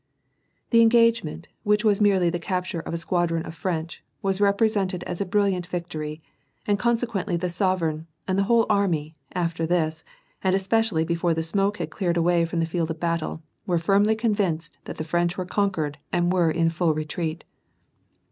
The engagement, which was merely the capture of a squad ron of the French, was represented as a brilliant victory, and consequently the sovereign, and the whole army, after this, and especially before the smoke had cleared away from the field of battle, were firmly convinced that the French were conquered and were in full retreat.